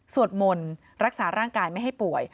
มนต์รักษาร่างกายไม่ให้ป่วย